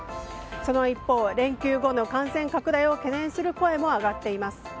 その一方、連休後の感染拡大を懸念する声も上がっています。